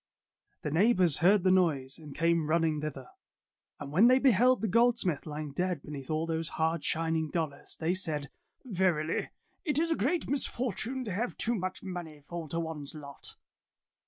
The neighbors heard the noise and came running thither. And when they beheld the goldsmith lying dead beneath all those io6 Tales of Modern Germany hard shining dollars, they said, ''Verily, it it a great misfortune to have too much money fall to one's lot.